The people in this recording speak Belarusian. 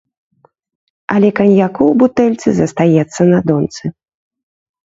Але каньяку ў бутэльцы застаецца на донцы.